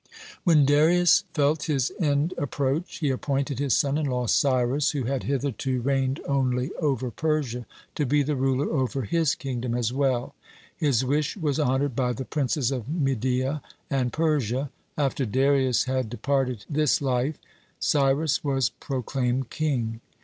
(27) When Darius felt his end approach, (28) he appointed his son in law Cyrus, (29) who had hitherto reigned only over Persia, to be the ruler over his kingdom as well. His wish was honored by the princes of Media and Persia. After Darius had departed this life, Cyrus was proclaimed king.